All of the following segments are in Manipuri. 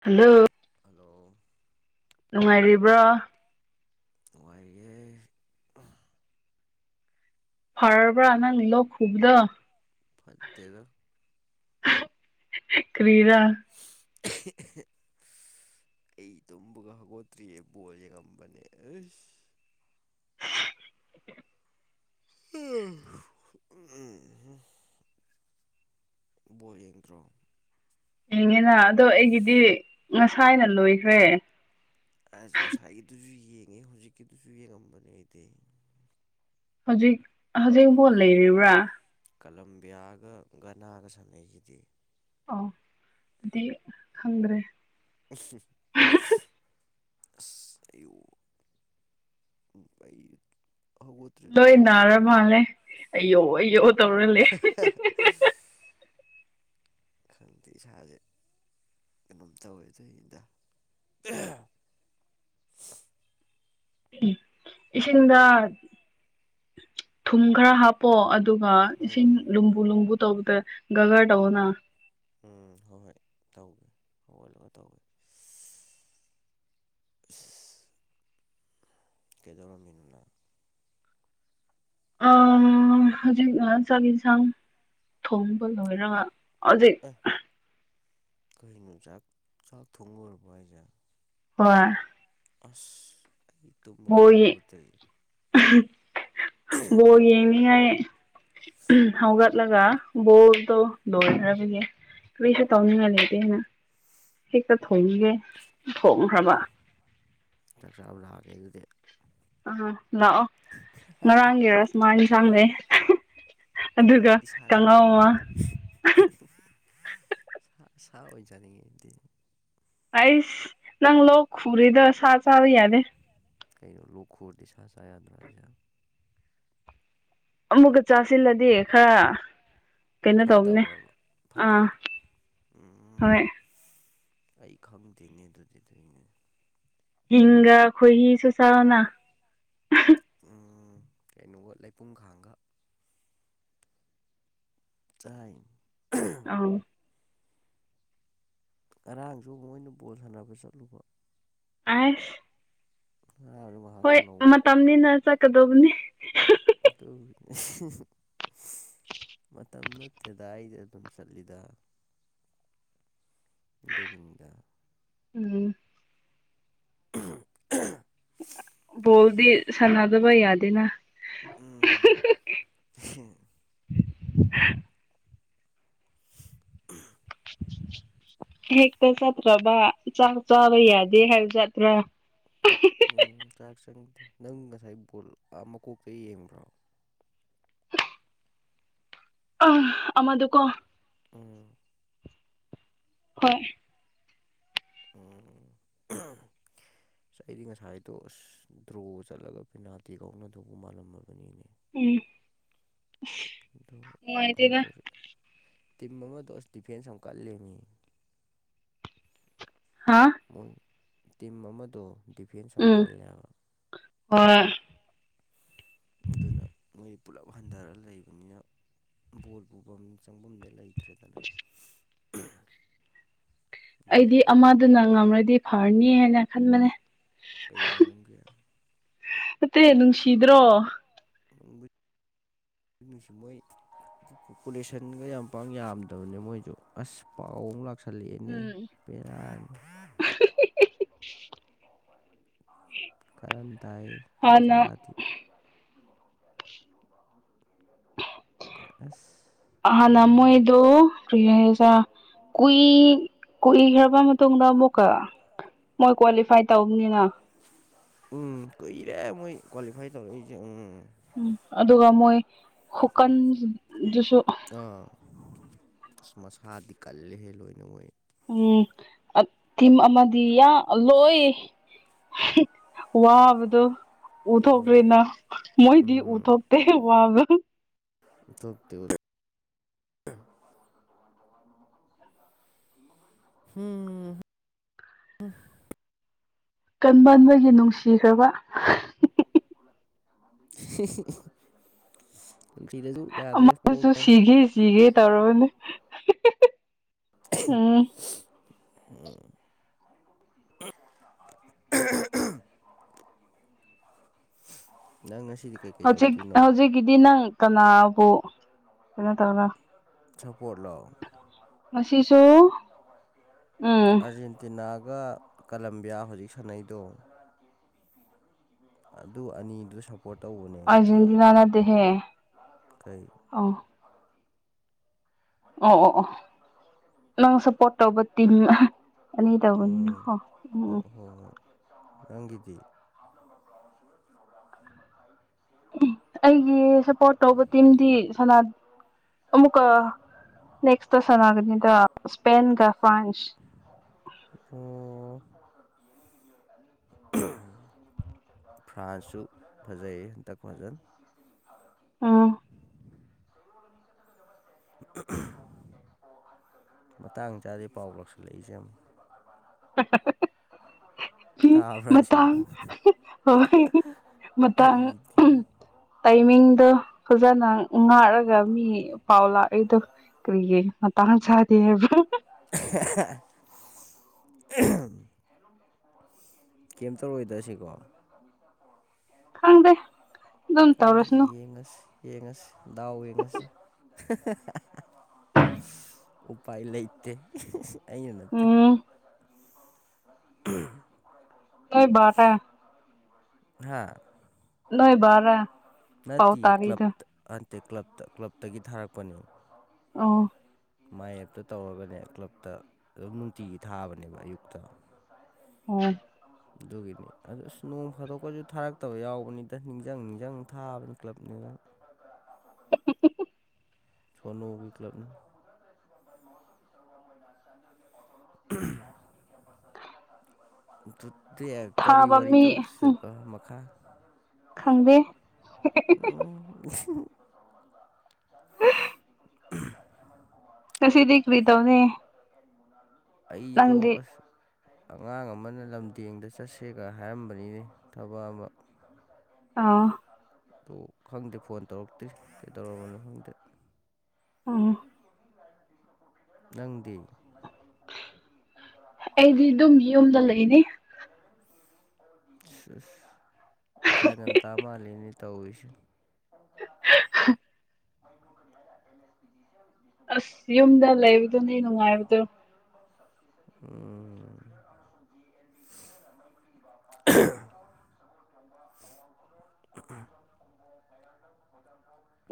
ꯍꯜꯂꯣ ꯍꯂꯣ ꯅꯨꯡꯉꯥꯏꯔꯤꯕ꯭ꯔꯣ ꯅꯨꯡꯉꯥꯏꯔꯤꯒꯦ ꯐꯥꯔꯔ ꯄ ꯑꯅꯥ ꯅꯂꯣ ꯈꯨꯗ ꯐꯠꯇꯦꯗ ꯀꯔꯤꯗꯥ [unintelligible] ꯑꯩ ꯇꯨꯝꯕꯒ ꯍꯧꯒꯠꯇ꯭ꯔꯤꯌꯦ ꯕꯣꯜꯁꯦ ꯉꯝꯕꯅꯦ ꯑꯁ [unintelligible] ꯕꯣꯔ ꯌꯦꯡꯗ꯭ꯔꯣ ꯌꯦꯡꯉꯦꯅ ꯑꯗꯣ ꯑꯩꯒꯤꯗꯤ ꯉꯁꯥꯏꯅ ꯂꯣꯏꯈ꯭ꯔꯦ ꯑꯁ ꯉꯁꯥꯏꯒꯤꯗꯨꯁꯨ ꯌꯦꯡꯉꯦ ꯍꯧꯖꯤꯛꯀꯤꯗꯨꯁꯨ ꯌꯦꯡꯉꯝꯕꯅꯦ ꯑꯩꯗꯤ ꯍꯧꯖꯤꯛ ꯍꯧꯖꯤꯛ ꯐꯣꯠ ꯂꯩꯔꯤꯕ꯭ꯔꯥ ꯀꯂꯝꯕꯤꯌꯥꯒ ꯒꯅꯥꯒ ꯁꯥꯟꯅꯩꯈꯤꯗꯤ ꯑꯣ ꯑꯗꯨꯗꯤ ꯈꯪꯗ꯭ꯔꯦ [unintelligible] ꯑꯁ ꯑꯌꯨ ꯑꯩꯩ ꯂꯣꯏ ꯅꯥꯔ ꯃꯥꯜꯂꯦ ꯑꯩ ꯌꯣꯛꯑꯣ ꯌꯣꯛꯑꯣ ꯇꯧꯔꯂꯦ [unintelligible] ꯈꯪꯗꯦ ꯏꯁꯥꯁꯦ ꯀꯩꯅꯣꯝ ꯇꯧꯋꯦꯗꯗ ꯏꯁꯤꯡꯗ ꯊꯨꯝ ꯈꯔ ꯍꯥꯞ ꯄꯣ ꯑꯗꯨꯒ ꯏꯁꯤꯡ ꯎꯝ ꯂꯨꯝꯕꯨ ꯂꯨꯝꯕꯨ ꯇꯧꯕꯗ ꯒꯒꯔ ꯎꯝ ꯇꯧꯑꯣꯅ ꯎꯝ ꯍꯣꯏ ꯍꯣꯏ ꯇꯧꯒꯦ ꯍꯜꯂ ꯇꯧꯒꯦ ꯀꯦꯗꯧꯔꯃꯤꯅꯅ ꯍꯧꯖꯤꯛꯅ ꯆꯥꯛ ꯌꯦꯟꯁꯥꯡ ꯊꯣꯡꯕ ꯂꯣꯏꯔꯒ ꯍꯧꯖꯤꯛ ꯀꯩꯅꯣ ꯆꯥꯛ ꯆꯥꯛ ꯊꯣꯡꯉꯔꯕ ꯍꯥꯏꯁꯦ ꯍꫭꯏ ꯑꯁ ꯑꯩ ꯇꯨꯝꯕꯕꯥꯎ ꯍꯕꯗꯔꯤ ꯕꯣ ꯌꯦꯡꯅꯤꯡꯉꯥꯏ ꯍꯧꯒ ꯆꯠꯂꯒ ꯕꯣꯜꯗꯣ ꯂꯣꯏꯈ꯭ꯔꯕꯒꯦ ꯀꯔꯤꯁꯨ ꯇꯧꯅꯤꯡꯉꯥꯏ ꯂꯩꯇꯦꯅ ꯍꯦꯛꯇ ꯊꯣꯡꯏꯒꯦ ꯊꯣꯡꯈ꯭ꯔꯕ ꯆꯥꯛ ꯆꯥꯕ ꯂꯥꯛꯑꯒꯦ ꯑꯗꯨꯗꯤ ꯑꯥ ꯂꯥꯛꯑꯣ ꯉꯔꯥꯡꯒꯤ ꯔꯁꯃꯥ ꯏꯟꯁꯥꯡꯂꯩ ꯀꯩ ꯑꯗꯨꯒ ꯑꯩꯗꯤ ꯁꯥ ꯀꯉꯥꯎꯃ ꯆꯥꯅꯤꯡꯉꯦ ꯁꯥ ꯑꯣꯏꯆꯥꯅꯤꯡꯉꯤ ꯑꯩꯗꯤ ꯑꯩꯁ ꯅꯪ ꯂꯣꯛ ꯈꯨꯔꯤꯗ ꯁꯥ ꯆꯥꯕ ꯌꯥꯗꯦ ꯀꯩꯅꯣ ꯂꯣꯛꯈꯨꯔꯗꯤ ꯁꯥ ꯆꯥ ꯌꯥꯗ꯭ꯔꯥ ꯍꯥꯏꯁꯦ ꯑꯃꯨꯛꯀ ꯆꯥꯁꯤꯜꯂꯗꯤ ꯈꯔ ꯀꯩꯅꯣ ꯇꯧꯕꯅꯦ ꯐꯠꯇꯕ꯭ꯔꯕ ꯑꯥ ꯐꯠꯇꯕ꯭ꯔꯥ ꯎꯝ ꯍꯣꯏ ꯑꯩ ꯈꯪꯗꯦꯅꯦ ꯑꯗꯨꯗꯤ ꯑꯗꯨꯅꯦ ꯁꯤꯡꯒ ꯈꯣꯏꯍꯤꯁꯨ ꯆꯥꯔꫭꯅ ꯎ ꯀꯩꯅꯣꯒ ꯂꯩꯄꯨꯡꯈꯥꯡꯒ ꯆꯥꯏ ꯑ ꯉꯔꯥꯡꯁꯨ ꯃꯣꯏꯅ ꯕꯣꯜ ꯁꯥꯟꯅꯕ ꯆꯠꯂꯨꯕ ꯑꯁ ꯑꯣ ꯍꯣꯏ ꯃꯇꯝꯅꯤꯅ ꯆꯠꯀꯗꯧꯕꯅꯤ [unintelligible] ꯃꯇꯝ ꯅꯠꯇꯦꯗ ꯑꯩꯗ ꯑꯗꯨꯝ ꯆꯠꯂꯤꯗ ꯑꯗꯨꯒꯤꯅꯤꯗ ꯎꯝ ꯎꯝ ꯣꯜꯗꯤ ꯁꯅꯥꯗꯕꯏ ꯌꯥꯗꯅ ꯍꯝ [unintelligible] ꯍꯦꯛꯇ ꯆꯠꯇ꯭ꯔꯕ ꯆꯥꯛ ꯆꯥꯕ ꯌꯥꯗꯦ ꯍꯥꯏꯕ ꯆꯠꯇ꯭ꯔꯥ ꯎꯝ ꯆꯥꯛ ꯆꯪꯗꯦ ꯅꯪ ꯉꯁꯥꯏ ꯕꯣꯜ ꯃꯀꯣꯛꯇ ꯌꯦꯡꯕ꯭ꯔꯣ ꯑꯪ ꯑꯃꯗꯨꯀꯣ ꯎꯝ ꯍꯣꯏ ꯎꯝ ꯑꯁ ꯑꯩꯗꯤ ꯉꯁꯥꯏꯗꯣ ꯑꯁ ꯗ꯭ꯔꯣ ꯆꯠꯂꯒ ꯄꯦꯅꯥꯜꯇꯤ ꯀꯧꯅꯗꯧꯕ ꯃꯥꯜꯂꯝꯃꯕꯅꯤꯅꯦ ꯎꯝ ꯑꯗꯣ ꯅꯨꯡꯉꯥꯏꯇꯦꯗ ꯍꯟꯗꯣꯔꯛꯑꯦ ꯇꯤꯝ ꯑꯃꯗꯣ ꯑꯁ ꯗꯤꯐꯦꯟꯁ ꯑꯃ ꯀꯜꯂꯦꯅꯤ ꯍꯥꯥ ꯃꯣꯏ ꯇꯤꯝ ꯑꯃꯗꯣ ꯗꯤꯐꯦꯟꯁ ꯌꯥꯝ ꯀꯜꯂꯦꯕ ꯑꯣ ꯑꯗꯨꯅ ꯃꯣꯏ ꯄꯨꯂꯞ ꯍꯟꯊꯔꯒ ꯂꯩꯕꯅꯤꯅ ꯕꯣꯜ ꯄꯨꯐꯝ ꯆꯪꯐꯝꯗ ꯂꯩ ꯊ꯭ꯔꯔꯤꯗꯅ ꯑꯩꯗꯤ ꯑꯃꯗꯨꯅ ꯉꯝꯔꯗꯤ ꯐꯔꯅꯤ ꯍꯥꯏꯅ ꯈꯟꯕꯅꯦ ꯀꯩ ꯃꯅꯒ ꯅꯠꯇꯦ ꯅꯨꯡꯁꯤꯗ꯭ꯔꯣ ꯁꯨꯝꯩ ꯄꯣꯄꯨꯂꯦꯁꯟꯒ ꯌꯥꯝ ꯄꯥꯡ ꯌꯥꯝꯗꯕꯅꯦ ꯃꯣꯏꯁꯨ ꯑꯁ ꯄꯥꯎ ꯑꯃꯨꯛ ꯂꯥꯛ ꯎꯝ ꯁꯂꯤꯅꯤꯔꯥ ꯀꯔꯟ ꯇꯏ ꯇꯆꯥ ꯍꯥꯟꯅ ꯍꯥꯊ ꯑꯁ ꯑ ꯄꯦꯜꯂꯕꯅꯤ ꯅꯃꯣꯏꯗꯨ ꯀ꯭ꯔꯤꯖꯥ ꯀꯨꯏ ꯀꯨꯏꯈ꯭ꯔꯕ ꯃꯇꯨꯡꯗ ꯑꯃꯕꯛꯀ ꯃꯣꯏ ꯀ꯭ꯂꯤꯐꯥꯏ ꯎꯝ ꯀꯨꯏꯔꯦ ꯃꯣꯏ ꯀ꯭ꯋꯥꯂꯤꯐꯥꯏ ꯇꯧꯔꯛꯏꯁꯦ ꯎꯝ ꯎꯝ ꯑꯗꯨꯒ ꯃꯣꯏ ꯍꯨꯀꯟꯗꯨꯁꯨ ꯑꯥ ꯑꯁ ꯃꯁꯥꯗꯤ ꯀꯜꯂꯦꯍꯦ ꯂꯣꯏꯅ ꯑꯣꯏꯣꯏ ꯎꯝ ꯊꯤꯝ ꯑꯃꯗꯤ ꯂꯣꯏ ꯋꯥꯕꯗꯨ ꯎꯝ ꯎꯠꯊꯣꯛꯅ ꯃꯣꯏꯗꯤ ꯎꯠꯊꯣꯛꯇ ꯋꯥꯕ ꯊꯞ ꯇ ꯍꯝ ꯀꯟꯕꯥꯟꯕꯒꯤ ꯅꯨꯡꯁꯤꯈ꯭ꯔꯕ ꯀꯔꯤꯗꯁꯨ ꯑꯃꯕꯨꯁꯨ ꯁꯤꯒꯦ ꯁꯤꯒꯦ ꯇꯧꯔꯅꯦ [unintelligible] ꯎ ꯂꯅ ꯁꯤꯗꯤ ꯍꯧꯖꯤꯛ ꯍꯧꯖꯤꯛꯀꯤꯗꯤ ꯅꯪ ꯀꯅꯥꯕꯨ ꯀꯩꯅꯣ ꯇꯧꯔꯣ ꯆꯄꯣꯠ ꯂꯣ ꯑꯣ ꯑꯁꯤꯁꯨ ꯑꯥꯔꯖꯦꯟꯇꯤꯅꯥꯒ ꯀꯂꯝꯕꯤꯌꯥ ꯍꯧꯖꯤꯛ ꯁꯥꯟꯅꯩꯗꯣ ꯑꯗꯨ ꯑꯅꯤꯗꯨ ꯁꯞꯄꯣꯔ꯭ꯠ ꯇꯧꯕꯅꯦ ꯑꯩꯗꯤ ꯑꯥꯔꯖꯦꯟꯇꯤꯅꯥ ꯅꯠꯇꯦꯍꯦ ꯀꯩ ꯑꯧ ꯑꯣ ꯑꯣ ꯑꯣ ꯅꯪ ꯁꯞꯄꯣꯔ꯭ꯠ ꯇꯧꯕ ꯇꯤꯝ ꯑꯅꯤ ꯇꯧꯕꯅꯤꯅ ꯎꯝ ꯍꯣ ꯎꯝ ꯍꯣꯏ ꯎꯝ ꯍꯣꯏ ꯍꯣꯏ ꯅꯪꯒꯤꯗꯤ ꯍꯥꯞꯂꯝꯕ ꯕ꯭ꯔꯥꯎꯟ ꯁꯨꯒ꯭ꯔ ꯀꯤꯂꯣ ꯒ꯭ꯔꯥꯝ ꯑꯅꯤ ꯃꯈꯥꯏ ꯑꯩꯒꯤ ꯁꯞꯄꯣꯔ꯭ꯠ ꯇꯧꯕ ꯇꯤꯝꯗꯤ ꯁꯅꯠ ꯑꯃꯨꯛꯀ ꯅꯦꯛꯁꯇ ꯁꯅꯒꯅꯤꯗ ꯁ꯭ꯄꯦꯟꯒ ꯐ꯭ꯔꯥꯟꯁ ꯑꯣ ꯐ꯭ꯔꯥꯟꯁꯁꯨ ꯐꯖꯩꯍꯦ ꯍꯟꯇꯛ ꯐꯖꯅ ꯁꯤꯀꯤꯅꯤ ꯐꯥꯗꯛꯀꯤ ꯎꯝ ꯃꯇꯥꯡ ꯆꯥꯗꯦ ꯄꯥꯎ ꯂꯧꯎꯁꯤꯜꯂꯛꯏꯖꯦ ꯑꯃꯨꯛ ꯍꯤ ꯇꯥꯕ꯭ꯔꯥ ꯁꯤ ꯃꯇꯥꯡ ꯍꯣꯏ ꯃꯇꯥꯡ ꯑꯩꯗꯤ ꯎꯝ ꯇꯥꯏꯃꯤꯡꯗꯣ ꯐꯖꯅ ꯉꯥꯛꯔꯒ ꯃꯤ ꯄꯥꯎ ꯂꯥꯛꯏꯗꯣ ꯀꯔꯤꯒꯤ ꯃꯇꯥꯡ ꯆꯥꯗꯦ ꯍꯥꯏꯕ꯭ꯔꯥ [unintelligible] ꯍꯦꯔꯣꯝꯅꯤ ꯐꯣ ꯑꯁꯤꯒꯤ ꯀꯩꯝ ꯇꯧꯔꯣꯏꯗ ꯑꯁꯤꯀꯣ [unintelligible] ꯈꯪꯗꯦ ꯑꯗꯨꯝ ꯈꯪꯗꯦ ꯇꯧꯔꯁꯅꯨ ꯌꯦꯡꯉꯁꯤ ꯌꯦꯡꯉꯁꯤ ꯗꯥꯎ ꯌꯦꯡꯉꯁꯤ ꯎꯄꯥꯏ ꯂꯩꯇꯦ ꯑꯩꯅ ꯅꯠꯇꯦ ꯑꯟꯇ꯭ꯔ ꯖꯥꯇꯤꯒꯤ ꯃꯤꯐꯝ ꯉꯁꯤ ꯃꯤꯍꯨꯠꯀꯤ ꯎꯝ ꯈꯨꯔꯥꯏ ꯀꯣꯟꯁꯝ ꯅꯣꯏ ꯕꯥꯔ ꯍꯥꯥ ꯅꯣꯏ ꯕꯥꯔ ꯅꯠꯇꯤꯌꯦ ꯀ꯭ꯂꯞꯇ ꯑꯟꯇꯦ ꯀ꯭ꯂꯞꯇ ꯀ꯭ꯂꯞꯇꯒꯤ ꯊꯥꯔꯛꯄꯅꯦ ꯑꯣ ꯃꯥꯏꯌꯦꯞꯇ ꯇꯧꯔꯒꯅꯦ ꯀ꯭ꯂꯞꯇ ꯑꯗꯨꯝ ꯅꯨꯡꯇꯤꯒꯤ ꯊꯥꯕꯅꯦꯕ ꯑꯌꯨꯛꯇ ꯑꯗꯣ ꯁꯥꯏꯟꯁ ꯑꯣ ꯑꯗꯨꯒꯤꯅꯤ ꯑꯗꯨ ꯑꯁ ꯅꯣꯡ ꯐꯥꯗꯣꯛꯀꯁꯨ ꯊꯥꯔꯛꯇꯕ ꯌꯥꯎꯕꯅꯤꯗ ꯅꯤꯡꯖꯪ ꯅꯤꯡꯖꯪ ꯊꯥꯕꯅꯤ ꯀ꯭ꯂꯞꯅꯦꯅ [unintelligible] ꯁꯣꯅꯣꯒꯤ ꯀ꯭ꯂꯞꯅꯤ [unintelligible] [unintelligible] ꯑꯗꯨꯗꯤ ꯀꯔꯤ ꯊꯥꯕ ꯋꯥꯔꯤ ꯃꯤ ꯇꯧꯁꯦꯕ ꯃꯈꯥ ꯈꯪꯗꯦ [inaudible] [unintelligible] [unintelligible] ꯉꯁꯤꯗꯤ ꯀꯔꯤ ꯇꯧꯅꯤ ꯑꯩꯗꯣ ꯅꯪꯗꯤ ꯑꯁ ꯑꯉꯥꯡ ꯑꯃꯅ ꯂꯝꯗꯦꯡꯗ ꯆꯠꯁꯦꯒ ꯍꯥꯏꯔꯝꯕꯅꯤꯅꯦ ꯊꯕꯛ ꯑꯃ ꯇꯃꯤꯁꯥ ꯒꯦꯟ ꯑꯥꯎ [unintelligible] ꯑꯣ ꯈꯪꯗꯦ ꯐꯣꯟ ꯇꯧꯔꯛꯇ꯭ꯦ ꯀꯩꯗꯧꯔꯕꯅꯣ ꯈꯪꯗꯦ ꯎꯝ ꯅꯪꯗꯤ [unintelligible] ꯑꯩꯗꯤ ꯑꯗꯨꯝ ꯌꯨꯝꯗ ꯂꯩꯅꯤ ꯑ ꯑꯁ ꯀꯌꯥ ꯌꯥꯝꯇꯥ ꯃꯥꯜꯂꯤꯅꯦ ꯇꯧꯔꯤꯁꯤꯦ [unintelligible] [unintelligible] ꯑꯁ ꯌꯨꯝꯗ ꯂꯩꯕꯗꯨꯅꯦ ꯅꯨꯡꯉꯥꯏꯕꯗꯣ ꯎꯝ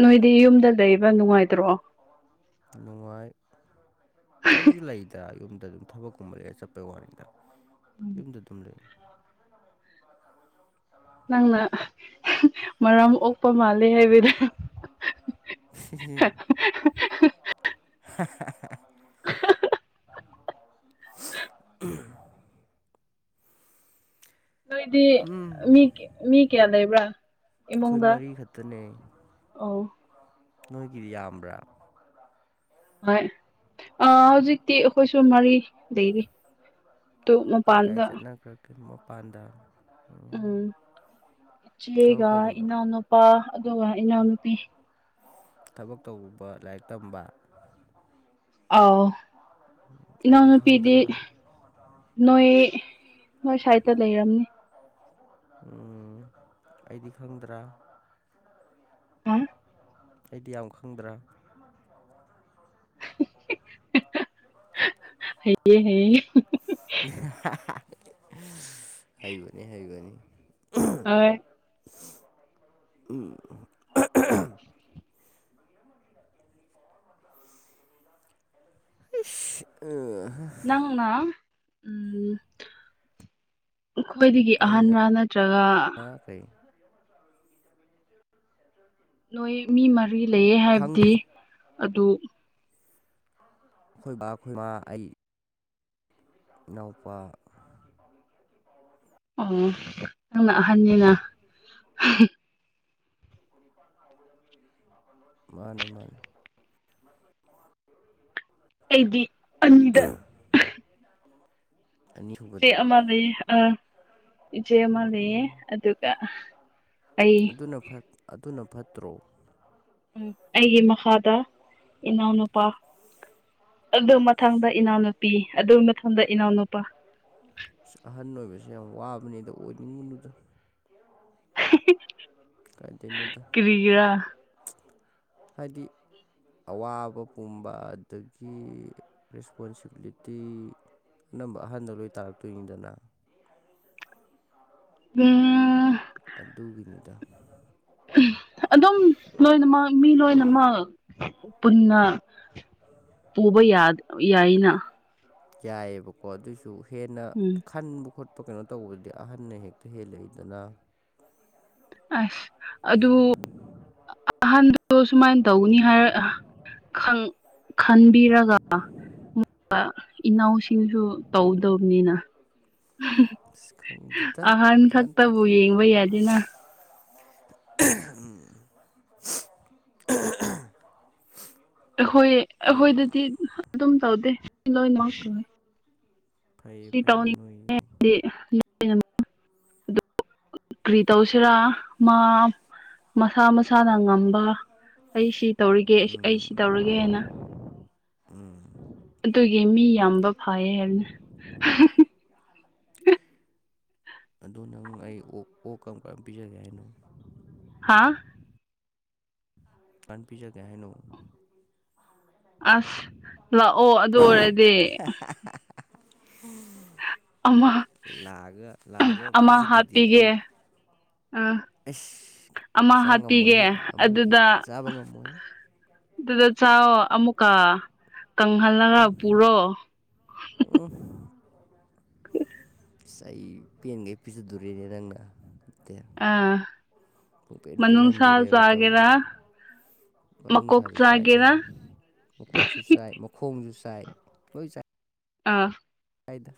ꯅꯣꯏꯗꯤ ꯌꯨꯝꯗ ꯂꯩꯕ ꯅꯨꯡꯉꯥꯏꯇ꯭ꯔꯣ ꯅꯨꯡꯉꯥꯏ ꯑꯩꯁꯨ ꯂꯩꯗ ꯌꯨꯝꯗ ꯑꯗꯨꯝ ꯊꯕꯛꯀꯨꯝꯕ ꯂꯩꯔꯦ ꯆꯠꯄꯩ ꯋꯥꯅꯤꯗ ꯌꯨꯝꯗ ꯑꯗꯨꯝ ꯂꯩ [unintelligible] ꯅꯪꯅ ꯃꯔꯝ ꯑꯣꯛꯄ ꯃꯥꯜꯂꯦ ꯍꯥꯏꯕꯗ [unintelligible] [unintelligible] [unintelligible] [unintelligible] [unintelligible] ꯅꯣꯏꯗꯤ ꯍꯝ ꯃꯤ ꯃꯤ ꯀꯌꯥ ꯂꯩꯕ꯭ꯔꯥ ꯑꯩꯈꯣꯏ ꯃꯔꯤꯈꯛꯇꯅꯦ ꯑꯥ ꯅꯣꯏꯒꯤꯗꯤ ꯌꯥꯝꯕ꯭ꯔꯥ ꯍꯣꯏ ꯍꯧꯖꯤꯛꯇꯤ ꯑꯩꯈꯣꯏꯁꯨ ꯃꯔꯤ ꯂꯩꯔꯤ ꯇꯣ ꯃꯄꯥꯟꯗ ꯀ ꯃꯣ ꯄꯥꯟꯗꯥꯥꯡ ꯎꯝ ꯊꯕꯛ ꯏꯆꯦꯒ ꯇꯧꯕ ꯏꯅꯥꯎꯅꯨꯄꯥ ꯑꯗꯨꯒ ꯏꯅꯥꯎꯅꯨꯄꯤ ꯊꯕꯛ ꯇꯧꯕ ꯂꯥꯏꯔꯤꯛ ꯇꯝꯕ ꯑꯥꯎ ꯑꯩꯗꯤ ꯏꯅꯥꯎꯅꯨꯄꯤꯗꯤ ꯈꯪꯗ꯭ꯔꯥ ꯅꯣꯏ ꯅꯣꯏ ꯁꯥꯏꯠꯇ ꯂꯩꯔꯝꯅꯤ ꯑꯩꯗꯤ ꯈꯪꯗ꯭ꯔꯥ ꯍꯥ ꯑꯩꯗꯤ ꯌꯥꯝ ꯈꯪꯗ꯭ꯔꯥ [unintelligible] ꯍꯥꯌꯦꯍꯥꯌꯦ ꯍꯩꯕꯅꯤ ꯍꯩꯕꯅꯤ ꯑ [unintelligible] ꯎꯝ [unintelligible] ꯎ ꯈꯣꯏꯗꯒꯤ ꯑꯍꯥꯟꯕꯅ ꯅ꯭ꯔꯒ ꯅ ꯀꯔꯤ [unintelligible] ꯅꯣꯏ ꯃꯤ ꯃꯔꯤ ꯂꯩꯌꯦ ꯈꯪꯗꯦ ꯍꯥꯏꯕꯗꯤ ꯑꯗꯨ ꯑꯩꯈꯣꯏꯕꯕꯥ ꯑꯩꯈꯣꯏꯕ ꯑꯩ ꯏꯅꯥꯎꯄꯥ [unintelligible] ꯑꯣ ꯅꯪꯅ ꯑꯍꯟꯅꯤꯅ ꯀ [inaudible] ꯃꯥꯅꯦ ꯃꯥꯅꯦ ꯑꯩꯗꯤ ꯑꯅꯤꯗ [unintelligible] ꯏꯆꯦ ꯑꯅꯤꯁꯨꯕꯗ ꯑꯃ ꯂꯩꯌꯦ ꯑ ꯏꯆꯦ ꯑꯃ ꯂꯩꯌꯦ ꯎꯝ ꯑꯗꯨ ꯑꯩ ꯑꯗꯨꯅ ꯑꯗꯨꯅ ꯐꯠꯇ꯭ꯔꯣ ꯎꯝ ꯑꯩꯒꯤ ꯃꯈꯥꯗ ꯏꯅꯥꯎꯅꯨꯄꯥ ꯑꯗꯨ ꯃꯊꯪꯗ ꯏꯅꯥꯎꯅꯨꯄꯤ ꯑꯗꯨ ꯃꯊꯗ ꯏꯅꯥꯎꯅꯨꯄꯥ ꯎ [inaudible] ꯑꯍꯟ ꯑꯣꯏꯕꯁꯦ ꯌꯥꯝ ꯋꯥꯕꯅꯤ ꯑꯗ ꯑꯣꯏꯅꯤꯡꯉꯨꯅꯨꯗ ꯀ ꯁꯤ [inaudible] [inaudible] ꯀꯥꯏꯗꯩꯅꯣꯗ ꯏꯔꯥ ꯍꯥꯏꯗꯤ ꯑꯋꯥꯕ ꯄꯨꯝꯕ ꯑꯗꯒꯤ ꯔꯦꯁꯄꯣꯟꯁꯤꯕꯤꯂꯤꯇꯤ ꯑꯅꯝꯕ ꯑꯍꯥꯟꯕ ꯂꯣꯏ ꯇꯥꯔꯛꯇꯣꯏꯅꯤꯗꯅ ꯑ [inaudible] ꯎꯝ ꯑꯗꯨꯒꯤꯅꯤꯗ ꯑꯗꯨꯝ ꯂꯣꯏꯅꯃꯛ ꯃꯤ ꯂꯣꯏꯅꯃꯛ ꯄꯨꯟꯅ ꯄꯨꯕ ꯌꯥ ꯌꯥꯏꯅ ꯌꯥꯏꯌꯦꯕꯀꯣ ꯑꯗꯨꯁꯨ ꯍꯦꯟꯅ ꯎꯝ ꯈꯟꯕ ꯈꯣꯠꯄ ꯀꯩꯅꯣ ꯇꯧꯕꯗꯗꯤ ꯑꯍꯟꯅ ꯍꯦꯛꯇ ꯍꯦꯜꯂꯛꯏꯗꯅ ꯑꯁ ꯑꯗꯨ ꯑꯍꯥꯟꯕꯗꯣ ꯁꯨꯃꯥꯏꯅ ꯇꯧꯅꯤ ꯍꯥꯏꯔ ꯈꯟꯕꯤꯔꯒ ꯏꯅꯥꯎꯁꯤꯡꯁꯨ ꯇꯧꯗꯕꯅꯤꯅ ꯁꯤꯀꯅꯤ [inaudible] ꯗꯥ ꯑꯍꯟ ꯀꯦꯟ ꯈꯛꯇꯕꯨ ꯇꯥꯖꯅ ꯌꯦꯡꯕ ꯌꯥꯗꯦꯅ ꯎꯝ [inaudible] ꯑꯩꯈꯣꯏ ꯑꯩꯈꯣꯏꯗꯗꯤ ꯑꯗꯨꯝ ꯇꯧꯗꯦ ꯂꯣꯏꯅꯃꯛ ꯐꯩ ꯁꯤ ꯇ ꯐꯩ ꯅꯣꯏ ꯍꯥꯏ [inaudible] ꯀ꯭ꯔꯤ ꯇꯧꯁꯤꯔꯥ ꯃꯥ ꯃꯁꯥ ꯃꯁꯥꯅ ꯉꯝꯕ ꯑꯩ ꯁꯤ ꯇꯧꯔꯤꯒꯦ ꯑꯩ ꯁꯤ ꯇꯧꯔꯤꯒꯦ ꯍꯥꯏꯅ ꯎꯝ ꯑꯗꯨꯒꯤ ꯃꯤ ꯌꯥꯝꯕ ꯐꯥꯏꯌꯦ ꯍꯥꯏꯕꯅ ꯑꯗꯣ ꯅꯪ ꯑꯩ ꯑꯣꯛ ꯑꯣ ꯀꯝ ꯀꯕꯤꯖꯒꯣ ꯍꯥꯥ ꯄꯥꯟ ꯄꯤꯖꯒꯦ ꯍꯥꯏꯅꯣ ꯑꯁ ꯂꯥꯛꯑꯣ ꯑꯗꯨ ꯑꯣꯏꯔꯗꯤ ꯑꯃ ꯂꯥꯛꯑꯒ ꯂꯥꯛꯑꯒ ꯑꯃ ꯄꯤꯖꯗꯗꯤ ꯍꯥꯞꯄꯤꯒꯦ ꯑꯩ ꯑꯥ ꯑꯃ ꯑꯁ ꯆꯥ ꯍꯥꯞꯄꯤꯒꯦ ꯉꯝꯃꯣꯏꯍꯦ ꯑꯃꯗꯤ ꯑꯗꯨꯗ ꯆꯥꯕ ꯉꯝꯃꯣꯏ ꯑꯗꯨꯗ ꯆ ꯑꯃꯨꯛꯀ ꯀꯪꯍꯜꯂꯒ ꯄꯨꯔꯣ ꯎꯝ ꯑꯁ ꯑꯩ ꯄꯦꯟꯈꯩ ꯄꯤꯖꯗꯣꯔꯤꯅꯦ ꯅꯪꯅ ꯅꯠꯇꯦ ꯑꯥ ꯄꯦꯟ ꯃꯅꯨꯡꯁꯥ ꯄꯦꯜꯍꯟꯗꯣꯔꯦꯕ ꯆꯥꯒꯦꯔꯥ ꯇꯧꯔꯤꯁꯦ ꯃꯀꯣꯛ ꯃꯅꯨꯡꯅꯨꯡꯁꯥꯁꯨ ꯆꯥꯏ ꯆꯥꯒꯦꯔꯥ ꯀꯅꯤ ꯃꯀꯣꯛꯁꯨ ꯆꯥꯏ ꯃꯈꯣꯡꯁꯨ ꯆꯥꯏ ꯂꯣꯏ ꯆꯥꯏ ꯑꯥ ꯐꯥꯏꯗ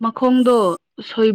ꯃꯈꯣꯡꯗꯣ ꯁꯣꯏꯕ